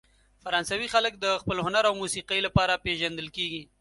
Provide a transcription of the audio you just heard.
فرانسوي خلک د خپل هنر او موسیقۍ لپاره پېژندل کیږي.